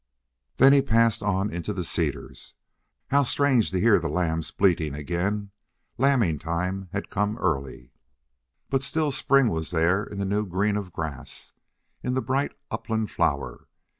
Then he passed on into the cedars. How strange to hear the lambs bleating again! Lambing time had come early, but still spring was there in the new green of grass, in the bright upland flower.